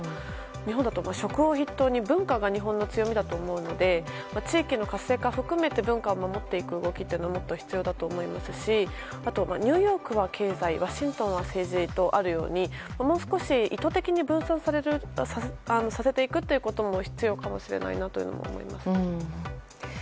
日本だと食を筆頭に文化が日本の強みだと思うので地域の活性化を含めて文化を守っていく動きももっと必要だと思いますしニューヨークは経済ワシントンは政治とあるようにもう少し意図的に分散させていくということも必要かもしれないとも思いました。